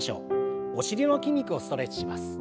お尻の筋肉をストレッチします。